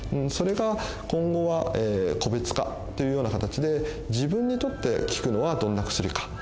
それが今後は個別化というような形で自分にとって効くのはどんな薬か。